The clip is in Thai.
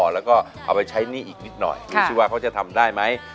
แล้วก็เอาไปใช้หนี้อีกนิดหน่อยดูสิว่าเขาจะทำได้ไหม